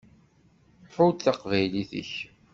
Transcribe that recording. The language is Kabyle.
Ḥudd taqbaylit-ik.